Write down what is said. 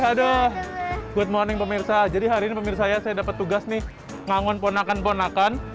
aduh good morning pemirsa jadi hari ini pemirsa ya saya dapat tugas nih ngangon ponakan ponakan